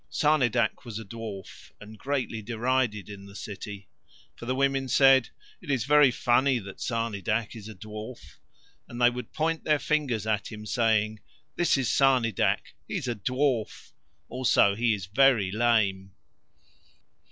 Sarnidac was a dwarf and greatly derided in the city. For the women said: "It is very funny that Sarnidac is a dwarf," and they would point their fingers at him saying:—"This is Sarnidac, he is a dwarf; also he is very lame."